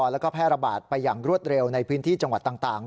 แล้วก็แพร่ระบาดไปอย่างรวดเร็วในพื้นที่จังหวัดต่าง